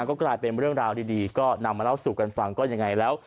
ก็กลายเป็นเรื่องราวดีก็นำมาเล่าสู่กันฟังก็ยังไงแล้ว